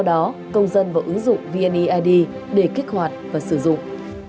sau đó công dân vào ứng dụng vnead để kết hoạt và sử dụng